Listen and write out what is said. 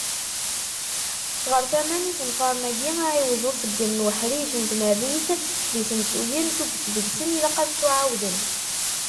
Ɣar tama n yisenfaren-agi, aɛiwed d uṣeggem n uḥric n tmerrit d yisensuyen. Tuget deg-sen ilaq ad ttuɛawden.